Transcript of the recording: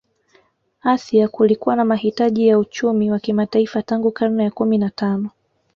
Asia kulikuwa na mahitaji ya uchumi wa kimataifa tangu karne ya kumi na tano